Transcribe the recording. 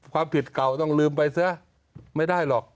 ความผิดเก่าต้องลืมไปเสียไม่ได้หรอก